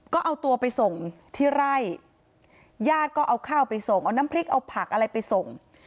ก็เอาตัวไปส่งที่ไร่ญาติก็เอาข้าวไปส่งเอาน้ำพริกเอาผักอะไรไปส่ง